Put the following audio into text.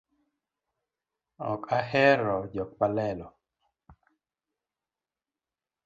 Ok ahero jok malelo